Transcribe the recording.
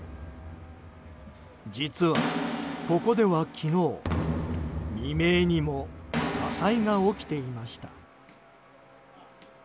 実は、ここでは昨日未明にも火災が起きていました。